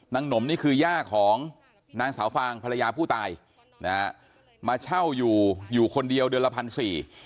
หนมนี่คือย่าของนางสาวฟางภรรยาผู้ตายนะฮะมาเช่าอยู่อยู่คนเดียวเดือนละพันสี่